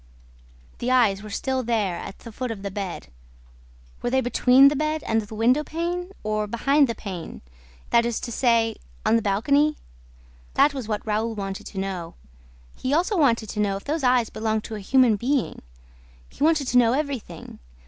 The eyes were still there, at the foot of the bed. Were they between the bed and the window pane or behind the pane, that is to say, on the balcony? That was what Raoul wanted to know. He also wanted to know if those eyes belonged to a human being... He wanted to know everything.